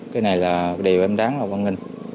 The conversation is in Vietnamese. cái này là điều em đáng là quan hình